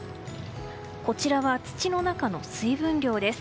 こちらは土の中の水分量です。